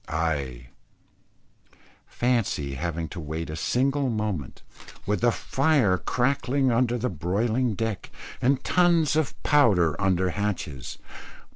_ Aye; fancy having to wait for a single moment, with the fire crackling under the broiling deck, and tons of powder under hatches.